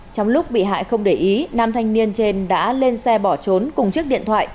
trong lúc bị hại không để ý nam thanh niên trên đã lên xe bỏ trốn cùng chiếc điện thoại